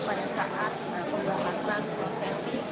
pada saat pembahasan prosesi